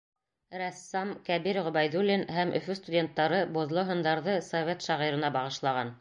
Рәссам Кәбир Ғөбәйҙуллин һәм Өфө студенттары боҙло һындарҙы совет шағирына бағышлаған.